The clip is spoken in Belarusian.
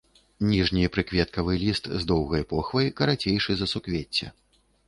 Ніжні прыкветкавы ліст з доўгай похвай, карацейшы за суквецце.